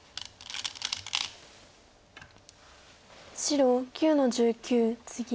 白９の十九ツギ。